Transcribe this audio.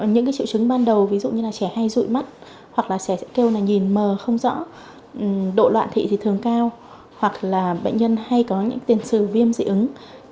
những triệu chứng ban đầu ví dụ như trẻ hay rụi mắt hoặc là trẻ kêu nhìn mờ không rõ độ loạn thị thường cao hoặc là bệnh nhân hay có tiền sử viêm dị ứng